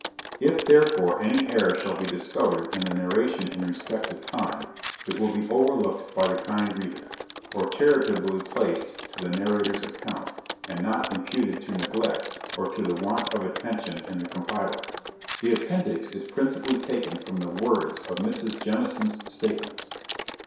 If, therefore, any error shall be discovered in the narration in respect to time, it will be overlooked by the kind reader, or charitably placed to the narrator's account, and not imputed to neglect, or to the want of attention in the compiler. The appendix is principally taken from the words of Mrs. Jemison's statements.